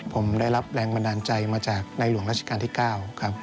ผมได้รับแรงบันดาลใจมาจากในหลวงราชการที่๙ครับ